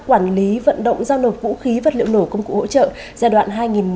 quản lý vận động giao nộp vũ khí vật liệu nổ công cụ hỗ trợ giai đoạn hai nghìn một mươi hai hai nghìn một mươi năm